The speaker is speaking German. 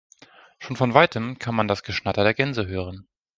Schon von weitem kann man das Geschnatter der Gänse hören.